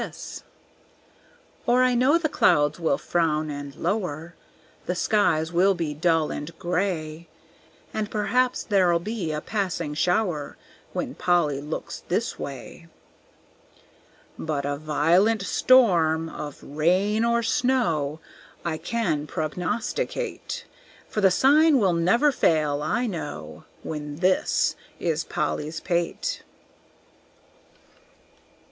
Or I know the clouds will frown and lower, The skies will be dull and gray, And perhaps there'll be a passing shower, When Polly looks this way. But a violent storm of rain or snow I can prognosticate, For the sign will never fail, I know, When this is Polly's pate.